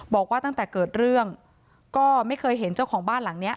บอกว่าตั้งแต่เกิดเรื่องก็ไม่เคยเห็นเจ้าของบ้านหลังเนี้ย